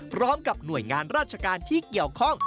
พร้อมกับหน่วยงานราชการที่เกี่ยวข้อง